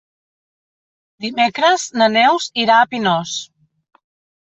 Dimecres na Neus irà a Pinós.